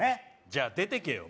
じゃあ出てけよ